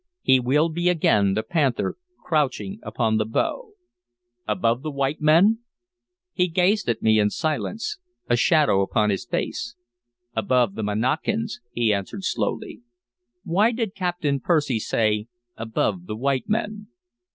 He will be again the panther crouching upon the bough" "Above the white men?" He gazed at me in silence, a shadow upon his face. "Above the Monacans," he answered slowly. "Why did Captain Percy say 'above the white men'?